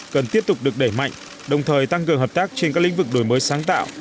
cần tiếp tục được đẩy mạnh đồng thời tăng cường hợp tác trên các lĩnh vực đổi mới sáng tạo